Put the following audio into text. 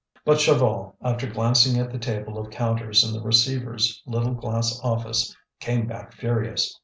But Chaval, after glancing at the table of counters in the receiver's little glass office, came back furious.